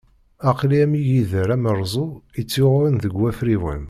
Aql-i am yigider amerẓu i tt-yuɣen deg wafriwen.